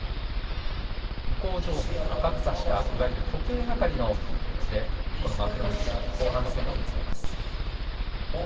向正面赤房下いわゆる時計係の位置でこの幕内後半戦を見つめます。